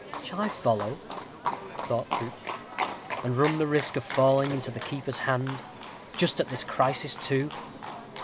"Shall I follow," thought Luke, "and run the risk of falling into the keeper's hand, just at this crisis, too?